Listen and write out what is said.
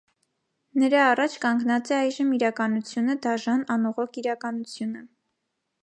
Նրա առաջ կանգնած է այժմ իրականությունը, դաժան, անողոք իրականությունը.